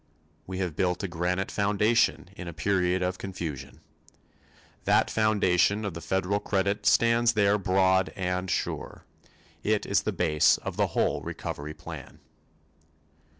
We have built a granite foundation in a period of confusion. That foundation of the federal credit stands there broad and sure. It is the base of the whole recovery plan.